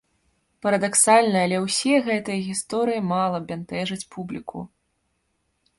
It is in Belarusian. Парадаксальна, але ўсе гэтыя гісторыі мала бянтэжаць публіку.